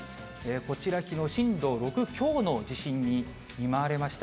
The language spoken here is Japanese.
こちら、きのう震度６強の地震に見舞われました。